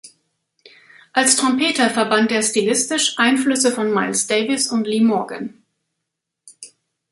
Als Trompeter verband er stilistisch Einflüsse von Miles Davis und Lee Morgan.